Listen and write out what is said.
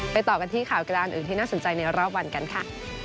ต่อกันที่ข่าวกระดานอื่นที่น่าสนใจในรอบวันกันค่ะ